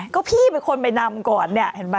ก็พี่เป็นคนไปนำก่อนนี่ครับ